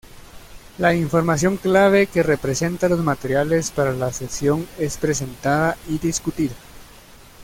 La información clave que representa los materiales para la sesión es presentada y discutida.